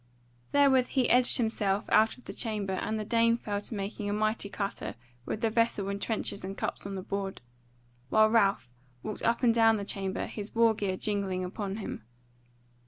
Therewith he edged himself out of the chamber, and the dame fell to making a mighty clatter with the vessel and trenchers and cups on the board, while Ralph walked up and down the chamber his war gear jingling upon him.